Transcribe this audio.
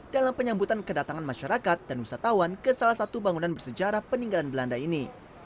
dalam penyambutan kedatangan masyarakat dan wisatawan ke salah satu bangunan bersejarah peninggalan belanda ini